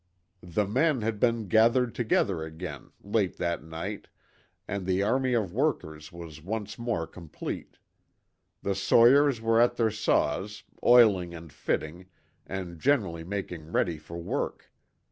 The men had been gathered together again, late that night, and the army of workers was once more complete. The sawyers were at their saws, oiling and fitting, and generally making ready for work.